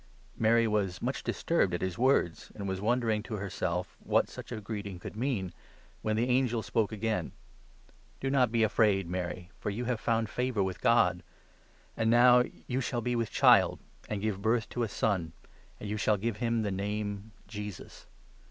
Mary was much disturbed at his words, and was wondering to herself what such a greeting could mean, when the angel spoke again :" Do not be afraid, Mary, for you have found favour with God. And now, you shall be with child and give birth to a son, and you shall give him the name Jesus.